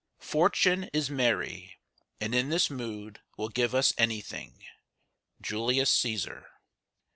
Fortune is merry, And in this mood will give us any thing. JULIUS CÆSAR.